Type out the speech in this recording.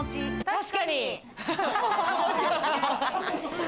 確かに。